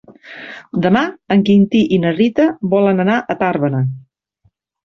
Demà en Quintí i na Rita volen anar a Tàrbena.